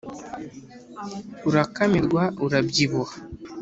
Urakamirwa urabyibuha